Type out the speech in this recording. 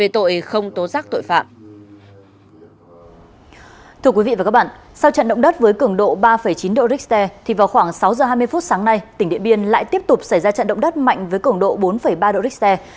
thưa quý vị và các bạn sau trận động đất với cường độ ba chín độ richter thì vào khoảng sáu giờ hai mươi phút sáng nay tỉnh điện biên lại tiếp tục xảy ra trận động đất mạnh với cường độ bốn ba độ richter